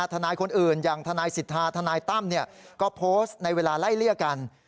ทนายคนอื่นอย่างทนายสิทธาทนายตั้มก็โพสต์ในเวลาไล่เลี่ยกัน